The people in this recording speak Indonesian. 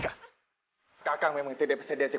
kakak memang tidak bisa dihajar